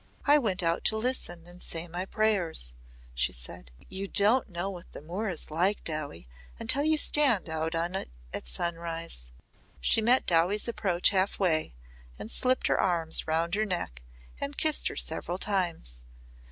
I went out to listen and say my prayers," she said. "You don't know what the moor is like, Dowie, until you stand out on it at sunrise." She met Dowie's approach half way and slipped her arms round her neck and kissed her several times.